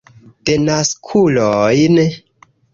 Denaskulojn!